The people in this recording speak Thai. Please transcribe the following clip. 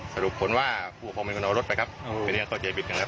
สรุปผลว่าผู้หกพรองเป็นคนเอารถไปครับเป็นเรื่องเข้าใจบิดครับ